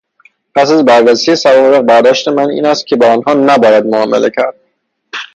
پس از بررسی سوابق، برداشت من این است که با آنها نباید معامله کرد.